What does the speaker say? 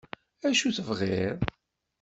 Acu tebɣiḍ?